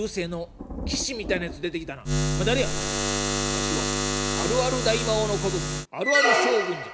「わしはあるある大魔王の子分あるある将軍じゃ。